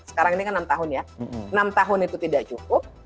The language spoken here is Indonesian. sekarang ini kan enam tahun ya enam tahun itu tidak cukup